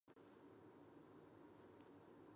Tied records for fifth place are also included.